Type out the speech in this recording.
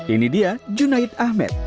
ini dia junaid ahmed